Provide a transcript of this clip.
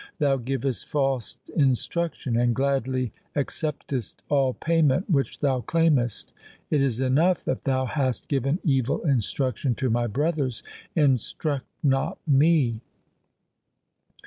Thou givest false instruction and gladly accept est all payment which thou claimest. It is enough that thou hast given evil instruction to my brothers ; instruct not me.